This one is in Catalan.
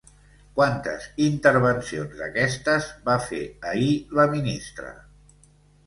Quantes intervencions d’aquestes va fer ahir la ministra?